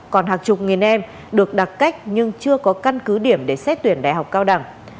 còn hàng chục nghìn em được đặt cách nhưng chưa có căn cứ điểm để xét tuyển đại học cao đẳng